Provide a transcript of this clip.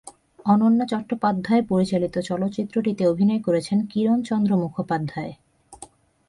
অনন্যা চট্টোপাধ্যায় পরিচালিত চলচ্চিত্রটিতে অভিনয় করেন কিরণচন্দ্র মুখোপাধ্যায়।